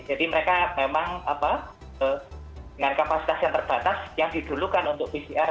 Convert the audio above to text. jadi mereka memang dengan kapasitas yang terbatas yang didulukan untuk pcr